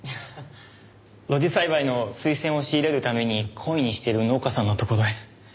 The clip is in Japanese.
露地栽培のスイセンを仕入れるために懇意にしている農家さんの所へ。